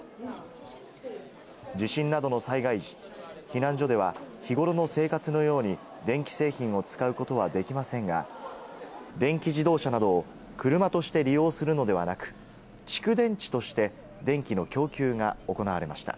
地震などの災害時、避難所では日頃の生活のように電気製品を使うことはできませんが、電気自動車などを車として利用するのではなく、蓄電池として電気の供給が行われました。